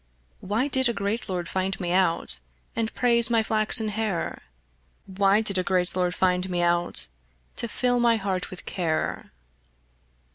Why did a great lord find me out, And praise my flaxen hair? Why did a great lord find me out, To fill my heart with care?